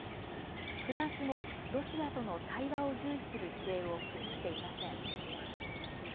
フランスもロシアとの対話を重視する姿勢を崩していません。